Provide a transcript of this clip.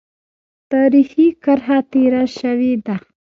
تاریخي کرښه تېره شوې ده.